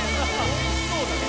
おいしそうだね。